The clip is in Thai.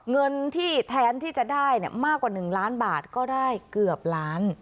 เงินที่แทนที่จะได้มากกว่า๑ล้านบาทก็ได้เกือบล้าน